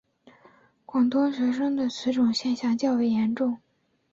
广东学生的此种现象较严重。